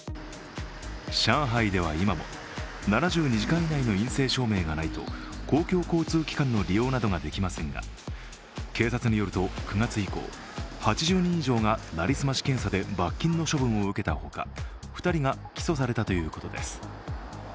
上海では今も７２時間以内の陰性証明がないと公共交通機関の利用などができませんが、警察によると、９月以降８０人以上が成り済まし検査で罰金の処分を受けたほか、２人が起訴されたということです。